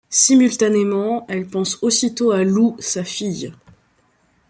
Simultanément, elle pense aussitôt à Lou, sa fille.